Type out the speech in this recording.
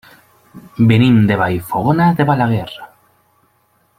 Venim de Vallfogona de Balaguer.